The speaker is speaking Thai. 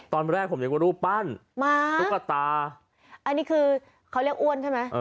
ตอนแรกผมไงดูปั้นตุ๊กตาอันนี้คือพาควรเรียกอ้วนใช่มั้ย